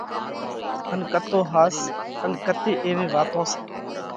ان ڪتو ۿاس سئہ؟ ان ڪتي ايوي واتون سئہ